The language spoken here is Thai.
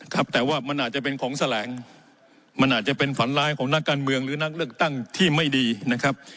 ครับแต่ว่ามันอาจจะเป็นของแสลงมันอาจจะเป็นฝันร้ายของนักการเมืองหรือนักเลือกตั้งที่ไม่ดีนะครับ